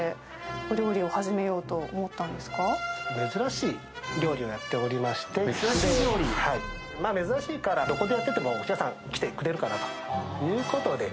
珍しい料理をやっておりまして珍しいからどこでやっててもお客さん来てくれるかなということで。